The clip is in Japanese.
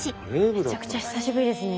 めちゃくちゃ久しぶりですね。